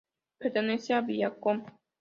Pertenece a Viacom.